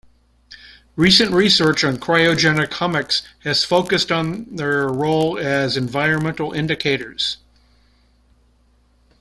Recent research on cryogenic hummocks has focused on their role as environmental indicators.